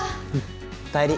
おかえり。